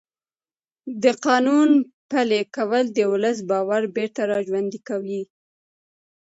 د قانون پلي کول د ولس باور بېرته راژوندی کوي